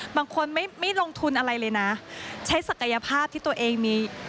บางคนไม่ลงทุนอะไรเลยนะใช้ศักยภาพที่ตัวเองมี